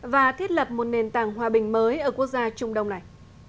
và thiết lập một nền tảng hòa bình mới ở quốc gia trung đông này